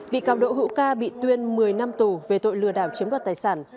bị cáo đỗ hữu ca bị tuyên một mươi năm tù về tội lừa đảo chiếm đoạt tài sản